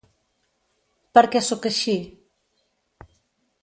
“Per què sóc així?”